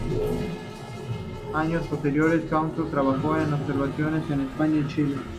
En años posteriores Kohoutek trabajó en observatorios en España y Chile.